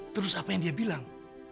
terus apa yang dia bilang